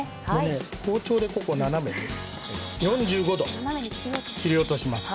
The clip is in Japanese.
包丁で、斜め４５度切り落とします。